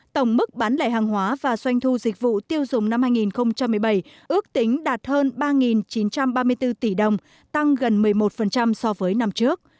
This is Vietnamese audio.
tổng mức bán lẻ hàng hóa và doanh thu dịch vụ tiêu dùng năm hai nghìn một mươi bảy ước tính đạt hơn ba chín trăm ba mươi bốn tỷ đồng tăng gần một mươi một so với năm trước